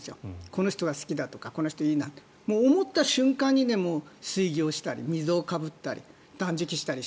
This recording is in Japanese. この人は好きだとかこの人はいいなとか思った瞬間に水行したり水をかぶったり、断食したり。